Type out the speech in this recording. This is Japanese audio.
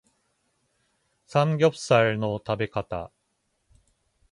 サムギョプサルの食べ方